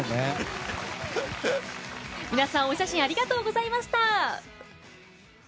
皆さん、お写真ありがとうございました。